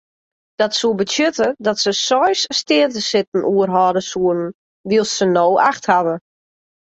Dat soe betsjutte dat se seis steatesitten oerhâlde soenen wylst se no acht hawwe.